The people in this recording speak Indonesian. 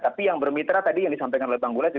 tapi yang bermitra tadi yang disampaikan oleh bang gula